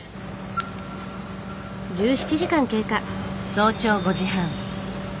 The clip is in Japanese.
早朝５時半。